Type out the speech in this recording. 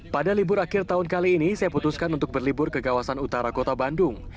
pada libur akhir tahun kali ini saya putuskan untuk berlibur ke kawasan utara kota bandung